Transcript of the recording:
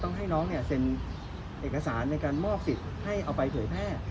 ต้องให้น้องเนี่ยเซ็นเอกสารในการมอบศิษย์ให้เอาไปเผยแพร่